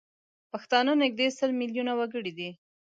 پښتانه نزدي سل میلیونه وګړي دي